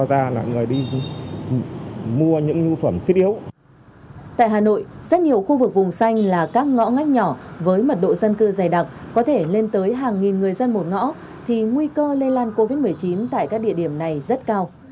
tại hà nội rất nhiều khu vực vùng xanh là các ngõ ngách nhỏ với mật độ dân cư dày đặc có thể lên tới hàng nghìn người dân một ngõ thì nguy cơ lây lan covid một mươi chín tại các địa điểm này rất cao